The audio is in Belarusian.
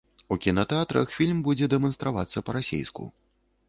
У кінатэатрах фільм будзе дэманстравацца па-расейску.